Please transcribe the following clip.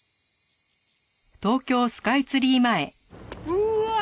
うわ！